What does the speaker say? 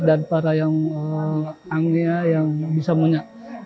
dan para yang anggia yang bisa punya